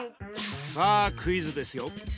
さぁクイズですよ。